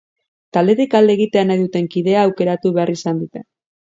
Taldetik alde egitea nahi duten kidea aukeratu behar izan dute.